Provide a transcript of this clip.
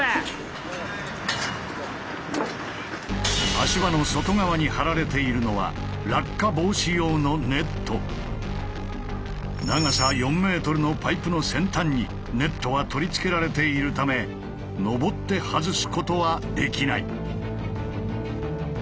足場の外側に張られているのは長さ４ｍのパイプの先端にネットは取り付けられているため登って外すことはできない。